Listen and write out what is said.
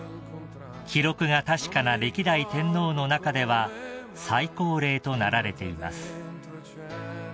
［記録が確かな歴代天皇の中では最高齢となられています］